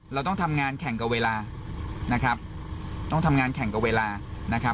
เราต้องทำงานแข่งกับเวลานะครับต้องทำงานแข่งกับเวลานะครับ